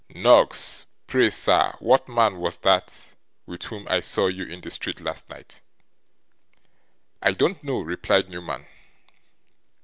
Noggs! Pray, sir, what man was that, with whom I saw you in the street last night?' 'I don't know,' replied Newman.